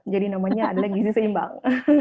jadi namanya adalah gizi seimbang